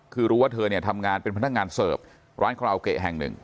คือรู้ว่าเธอเนี่ยทำงานเป็นพนักงานเสิร์ฟร้านคาราโอเกะแห่งหนึ่ง